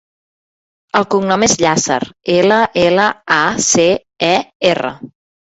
El cognom és Llacer: ela, ela, a, ce, e, erra.